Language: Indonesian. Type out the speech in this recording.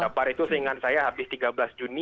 kabar itu seingat saya habis tiga belas juni